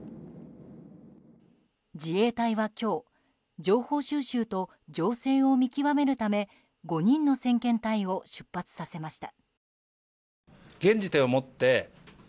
自衛隊は今日、情報収集と情勢を見極めるため５人の先遣隊を出発させました。